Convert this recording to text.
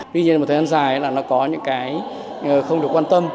tuy nhiên một thời gian dài là nó có những cái không được quan tâm